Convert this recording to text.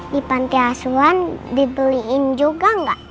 di panti asuhan dibeliin juga nggak